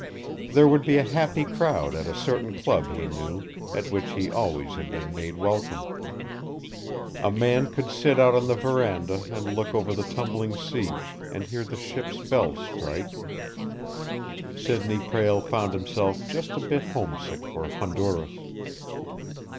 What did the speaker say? There would be a happy crowd at a certain club he knew, at which he always had been made welcome. A man could sit out on the veranda and look over the tumbling sea, and hear the ship's bells strike. Sidney Prale found himself just a bit homesick for Honduras.